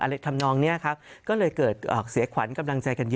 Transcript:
ทำนองนี้ครับก็เลยเกิดเสียขวัญกำลังใจกันเยอะ